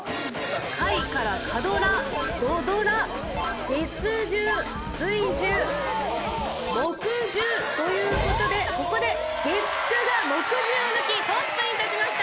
下位から火ドラ土ドラ月１０水１０木１０。ということでここで月９が木１０を抜きトップに立ちました。